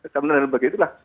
kementerian dan lembaga itulah